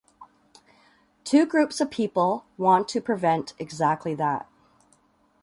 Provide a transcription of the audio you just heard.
Two groups of people want to prevent exactly that.